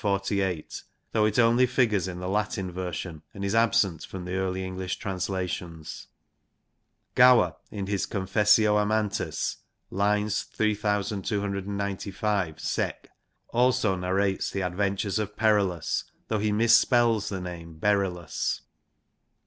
48), though it only figures in the Latin version, and is absent from the early English translations. Gower in his Confessio Amantis, lines 3295 se<j. t also narrates the adventures of Perillus, though he mis spells the name Berillus.